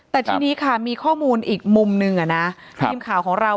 แต่ทีนี้มีข้อมูลอีกมุมหนึ่งนะครับ